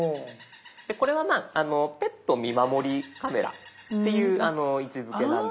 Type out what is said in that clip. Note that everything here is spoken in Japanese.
これはまあペット見守りカメラっていう位置づけなんです。